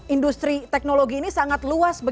industri teknologi ini sangat luas